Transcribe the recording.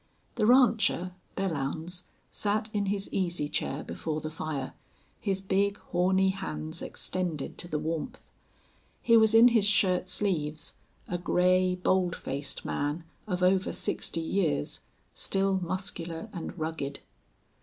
The rancher, Belllounds, sat in his easy chair before the fire, his big, horny hands extended to the warmth. He was in his shirt sleeves, a gray, bold faced man, of over sixty years, still muscular and rugged.